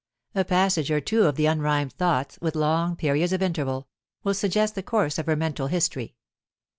A passage or two of the unrhymed thoughts, with long periods of interval, will suggest the course of her mental history.